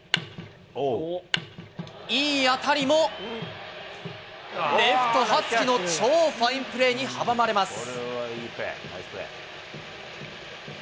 いい当たりも、レフト、羽月の超ファインプレーに阻まれます。